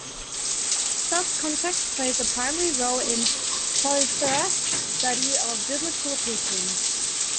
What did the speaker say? Thus, context plays a primary role in Poythress's study of Biblical teachings.